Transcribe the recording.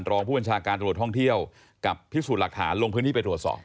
รองผู้บัญชาการตรวจท่องเที่ยวกับพิสูจน์หลักฐานลงพื้นที่ไปตรวจสอบ